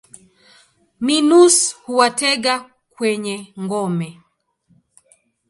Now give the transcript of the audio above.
Minus huwatega kwenye ngome.